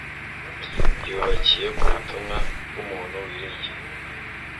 yubakiye ku butumwa bw'umuntu wiringiye